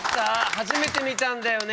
初めて見たんだよね？